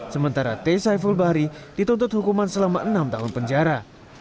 sementara t saiful bahri dituntut hukuman selama enam tahun penjara